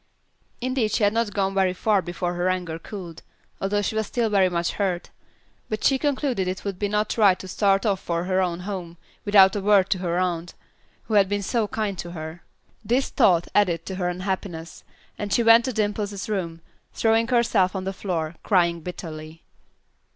Indeed she had not gone very far before her anger cooled, although she was still very much hurt; but she concluded it would not be right to start off for her own home without a word to her aunt, who had been so kind to her. This thought added to her unhappiness, and she went to Dimple's room, throwing herself on the floor, crying bitterly.